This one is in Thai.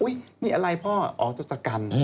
อุ๊ยนี่อะไรพ่ออทศกัณฐ์